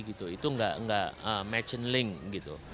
itu tidak match and link